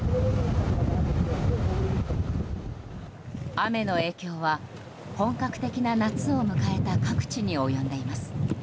雨の影響は本格的な夏を迎えた各地に及んでいます。